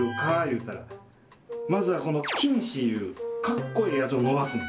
まずはこの菌糸いうかっこええやつを伸ばすねん。